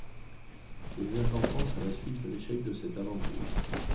Il vient en France à la suite de l'échec de cette aventure.